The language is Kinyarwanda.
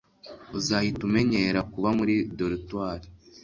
Uzahita umenyera kuba muri dortoir.